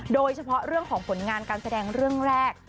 โดยเฉพาะเรื่องของผลงานการแสดงเรื่องแรก